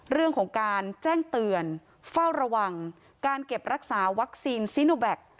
เรื่องของการแจ้งเตือนเฝ้าระวังการเก็บรักษาวัคซีนซีโนแบ็ค